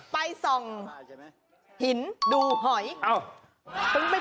ตั้งสติพูดก่อนเดี๋ยวจักรลับ